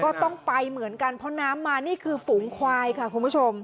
ก็ต้องไปเหมือนกันเพราะน้ำมานี่คือฝูงควายค่ะคุณผู้ชม